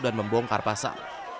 dan membongkar pasar